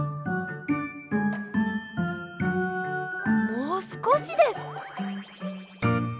もうすこしです。